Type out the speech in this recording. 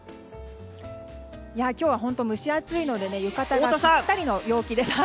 今日は本当に蒸し暑いので浴衣がぴったりの陽気です。